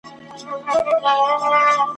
له یوې توري بلا خلاصېږې ,